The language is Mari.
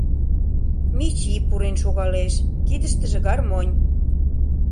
Мичи пурен шогалеш, кидыштыже гармонь.